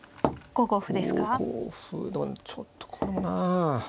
５五歩でもちょっとこれもな。